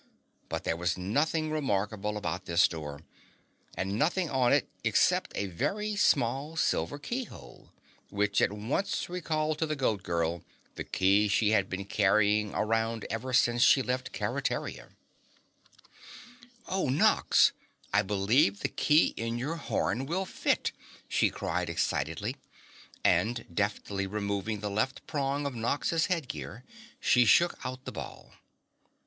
But there was nothing remarkable about this door, and nothing on it except a very small silver keyhole, which at once recalled to the Goat Girl the key she had been carrying around ever since she left Keretaria. "Oh, Nox, I believe the key in your horn will fit!" she cried excitedly, and deftly removing the left prong of Nox's headgear she shook out the ball.